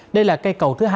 đây là cây cầu thứ hai